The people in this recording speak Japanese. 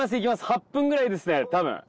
８分ぐらいですね多分。